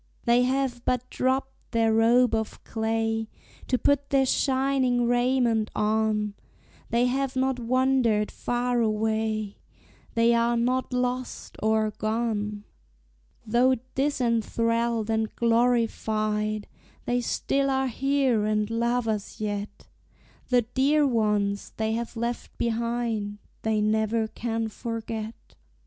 They have but dropped their robe of clay To put their shining raiment on; They have not wandered far away They are not "lost" or "gone." Though disenthralled and glorified, They still are here and love us yet; The dear ones they have left behind They never can forget.